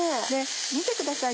見てください